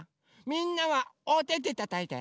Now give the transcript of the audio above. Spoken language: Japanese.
みんなはおててたたいて。